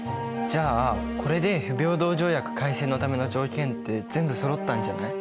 じゃあこれで不平等条約改正のための条件って全部そろったんじゃない？